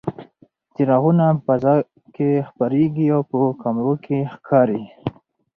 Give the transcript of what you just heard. څراغونه په فضا کې خپرېږي او په کمرو کې ښکاري.